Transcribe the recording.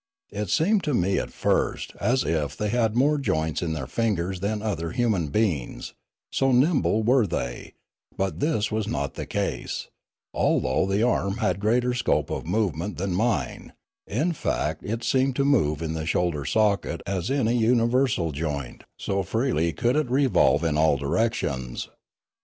It seemed to me at first as if they had more joints in their fingers than other human beings, so nimble were they; but this was not the case, al though the arm had greater scope of movement than mine; in fact it seemed to move in the shoulder socket as m a universal joint, so freely could it revolve in all directions.